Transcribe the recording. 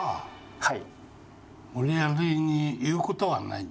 はい。